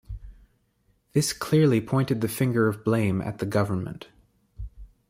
This clearly pointed the finger of blame at the government.